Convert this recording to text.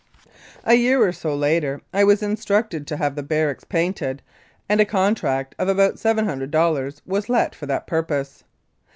A year or so later I was instructed to have the barracks painted, and a contract of about 700 dollars was let for that purpose.